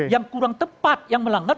yang kurang tepat yang melanggar